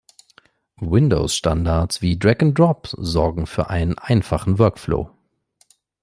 Windows-Standards wie Drag’n’Drop sorgen für einen einfachen Workflow.